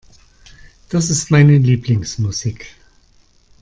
Das ist meine Lieblingsmusik.